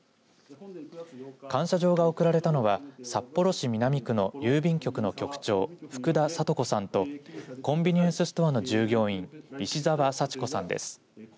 感謝状が贈られたのは札幌市南区の郵便局の局長福田聡子さんとコンビニエンスストアの従業員石澤佐知子さんです。